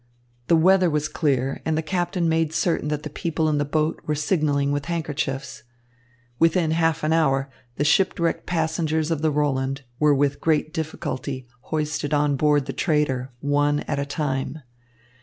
The weather was clear, and the captain made certain that the people in the boat were signalling with handkerchiefs. Within half an hour, the shipwrecked passengers of the Roland were with great difficulty hoisted on board the trader, one at a time.